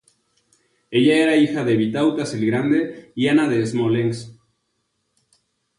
Ella era hija de Vitautas el Grande y Ana de Smolensk.